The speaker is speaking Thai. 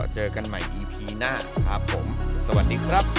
เจอกันใหม่อีพีหน้าครับผมสวัสดีครับ